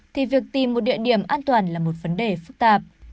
thì việc tìm một địa điểm an toàn là một vấn đề phức tạp